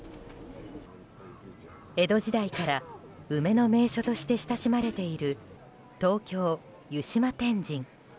江戸時代から梅の名所として親しまれている東京・湯島天神。